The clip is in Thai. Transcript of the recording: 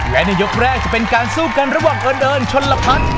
และในยกแรกจะเป็นการสู้กันระหว่างเอิญเดินชนละพัด